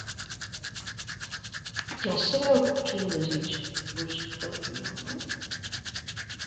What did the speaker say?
Ja sabeu quin desig us agullona?